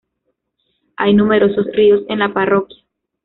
Hay numerosos ríos en la parroquia.